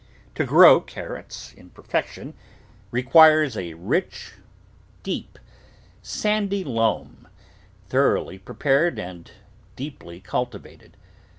To grow carrots in perfection requires a rich, deep, sandy loam, thoroughly prepared and deeply cultivated.